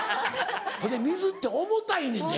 ほいで水って重たいねんで。